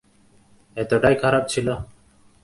এতটাই খারাপ ছিল?